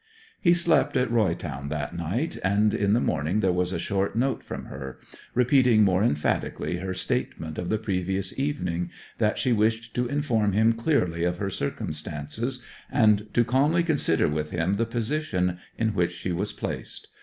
He slept at Roy Town that night, and in the morning there was a short note from her, repeating more emphatically her statement of the previous evening that she wished to inform him clearly of her circumstances, and to calmly consider with him the position in which she was placed.